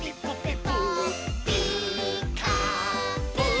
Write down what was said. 「ピーカーブ！」